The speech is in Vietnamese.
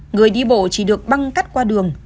người đi bộ chỉ được băng cắt qua đường